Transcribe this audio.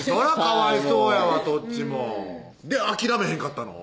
かわいそうやわとっちもで諦めへんかったの？